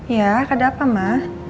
iya ada apa ma